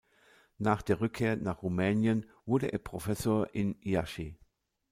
Nach der Rückkehr nach Rumänien wurde er Professor in Iași.